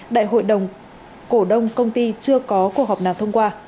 đại hội đồng cổ đông công ty chưa có cuộc họp nào thông qua